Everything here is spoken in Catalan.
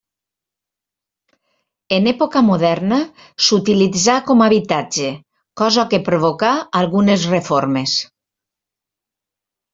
En època moderna s'utilitzà com habitatge, cosa que provocà algunes reformes.